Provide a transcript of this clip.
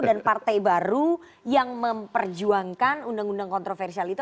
dan partai baru yang memperjuangkan undang undang kontroversial itu